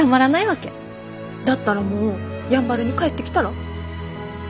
だったらもうやんばるに帰ってきたら？